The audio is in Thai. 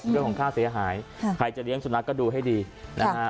เรื่องของค่าเสียหายใครจะเลี้ยงสุนัขก็ดูให้ดีนะฮะ